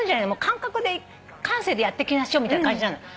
感覚で感性でやっていきましょうみたいな感じなの。